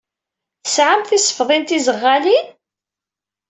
Tesɛam tisefḍin tiẓeɣɣalin?